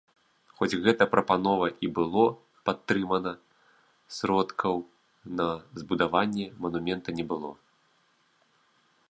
Хоць гэта прапанова і было падтрымана, сродкаў на збудаванне манумента не было.